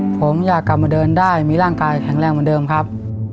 ผมอยากกลับมาเดินได้มีร่างกายแข็งแรงเหมือนเดิมครับ